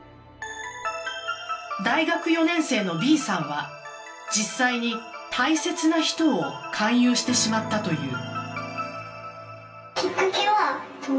大学４年生のＢさんは実際に大切な人を勧誘してしまったという。